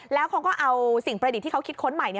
แล้วเขาก็เอาสิ่งประดิษฐ์ที่เขาคิดค้นใหม่